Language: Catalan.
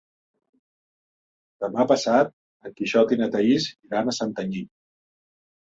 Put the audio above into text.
Demà passat en Quixot i na Thaís iran a Santanyí.